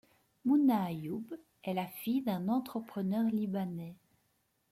Mouna Ayoub est la fille d'un entrepreneur libanais.